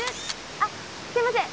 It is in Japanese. あっすいません。